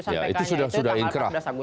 ya itu sudah inkrah